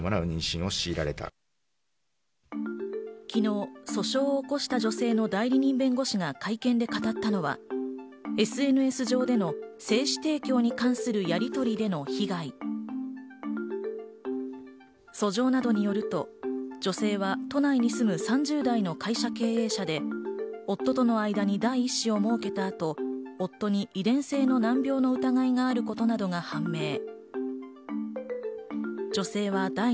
昨日、訴訟を起こした女性の代理人弁護士が会見で語ったのは、ＳＮＳ上での精子提供に関するやりとりでの被害、訴状などによると、女性は都内に住む３０代の会社経営者で夫との間に第１子を設けた後、夫に遺伝性の難病の疑いがあることなどが判明。